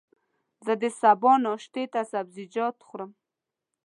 زه د سبا ناشتې ته سبزيجات خورم.